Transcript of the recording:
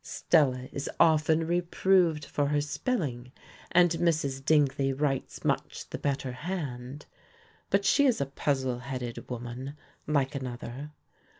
Stella is often reproved for her spelling, and Mrs. Dingley writes much the better hand. But she is a puzzle headed woman, like another.